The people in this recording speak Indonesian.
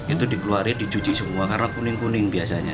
itu dikeluarin dicuci semua karena kuning kuning biasanya